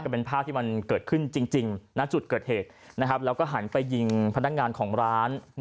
เป็นภาพที่เหรอจุดเกิดเหตุนะครับแล้วเราก็หันไปยิงพนักงานของร้าน